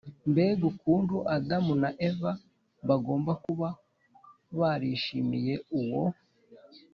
mbega ukuntu adamu na eva bagomba kuba barishimiye uwo